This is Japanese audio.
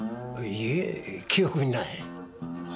いえ記憶にない。